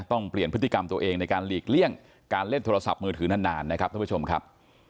ต้องเปลี่ยนพฤติกรรมตัวเองในการหลีกเลี่ยงการเล่นโทรศัพท์มือถือนานนะครับท่านผู้ชมครับ